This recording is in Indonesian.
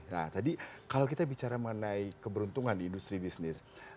nah tadi kalau kita bicara mengenai keberuntungan di industri bisnis